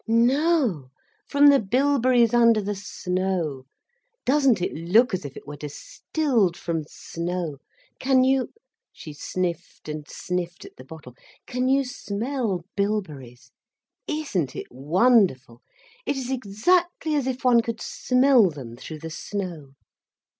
"No! From the bilberries under the snow. Doesn't it look as if it were distilled from snow. Can you—" she sniffed, and sniffed at the bottle—"can you smell bilberries? Isn't it wonderful? It is exactly as if one could smell them through the snow."